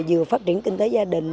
giúp phát triển kinh tế gia đình